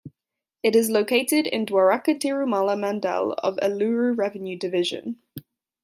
It is located in Dwaraka Tirumala mandal of Eluru revenue division.